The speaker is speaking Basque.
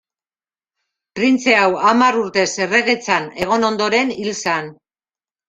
Printze hau hamar urtez erregetzan egon ondoren hil zen.